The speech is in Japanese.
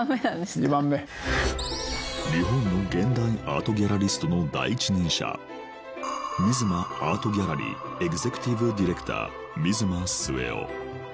日本の現代アートギャラリストの第一人者ミヅマアートギャラリーエグゼクティブディレクター三潴末雄